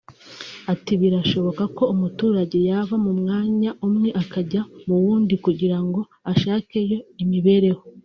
Ati “ Birashoboka ko umuturage yava mu mwanya umwe akajya mu wundi kugira ngo ashakeyo imibereho